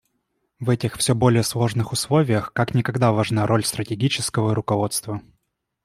В этих все более сложных условиях как никогда важна роль стратегического руководства.